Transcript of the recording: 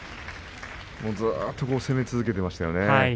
ずっと攻め続けていました。